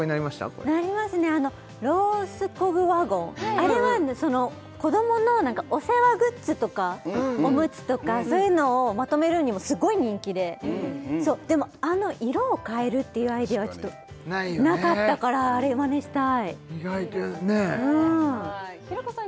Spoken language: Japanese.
これなりますねあのロースコグワゴンあれは子供のお世話グッズとかおむつとかそういうのをまとめるにもすごい人気ででもあの色をかえるっていうアイデアはちょっとなかったからあれまねしたい意外とね平子さん